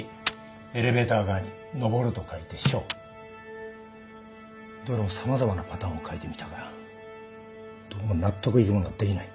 エレベーター側に昇ると書いて「昇」どれも様々なパターンを書いてみたがどうも納得いくものができない。